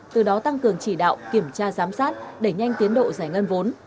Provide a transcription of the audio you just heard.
từ đó tăng cường chỉ đạo kiểm tra giám sát đẩy nhanh tiến độ giải ngân vốn